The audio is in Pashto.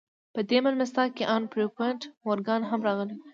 په دې مېلمستيا کې ان پيرپونټ مورګان هم راغلی و.